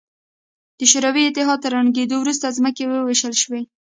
د شوروي اتحاد تر ړنګېدو وروسته ځمکې ووېشل شوې.